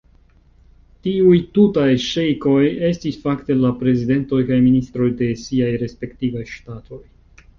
Tiuj tutaj ŝejkoj estis fakte la prezidentoj kaj ministroj de siaj respektivaj ŝtatoj.